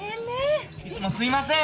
いつもすいません。